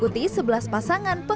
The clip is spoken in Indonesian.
puncaknya adalah pernikahan yang berbeda